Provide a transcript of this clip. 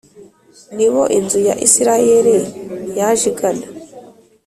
Ni bo inzu ya isirayeli yaje igana